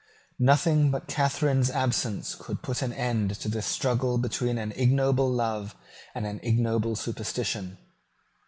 Nothing but Catharine's absence could put an end to this struggle between an ignoble love and an ignoble superstition.